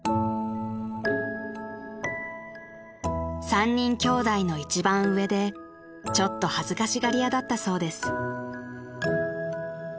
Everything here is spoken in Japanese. ［３人きょうだいの一番上でちょっと恥ずかしがり屋だったそうです］